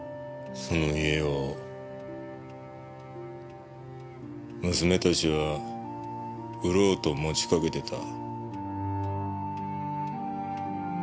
その家を娘たちは売ろうと持ちかけてた。